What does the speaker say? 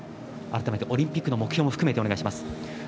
改めて、オリンピックの目標も含めてお願いします。